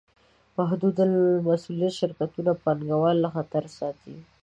محدودالمسوولیت شرکتونه پانګهوال له خطره ساتي.